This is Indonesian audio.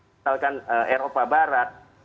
misalkan eropa barat